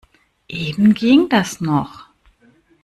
Eben ging das noch.